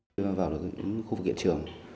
khi mà vào được những khu vực hiện trường